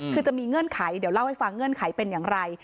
คือจะมีเงื่อนไขเดี๋ยวเล่าให้ฟังเงื่อนไขเป็นอย่างไร